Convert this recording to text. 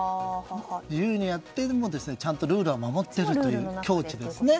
自由にやっていても、ちゃんとルールは守っているという境地ですね。